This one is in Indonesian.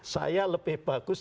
saya lebih bagus tidak mengerti